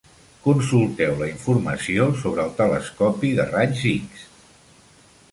Consulteu lla informació sobre el telescopi de raigs X.